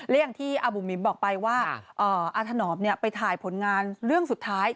และอย่างที่อาบุ๋มบอกไปว่าอาถนอมไปถ่ายผลงานเรื่องสุดท้าย